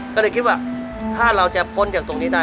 ก็เลยคิดว่าถ้าเราจะพ้นจากตรงนี้ได้